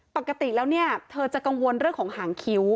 ปกติแล้วเนี่ยเธอจะกังวลเรื่องของหางคิ้ว